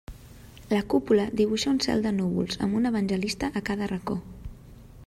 La cúpula dibuixa un cel de núvols amb un evangelista a cada racó.